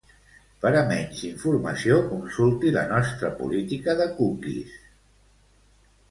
Per a menys informació consulti la nostra Política de Cookies.